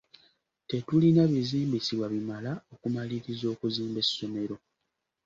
Tetulina bizimbisibwa bimala okumaliriza okuzimba essomero .